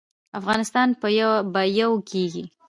افغانستان به یو کیږي؟